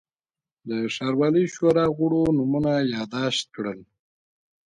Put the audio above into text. د ښاروالۍ شورا غړو نومونه یاداشت کړل.